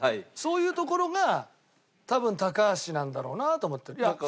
そういうところが多分高橋なんだろうなと思ってる。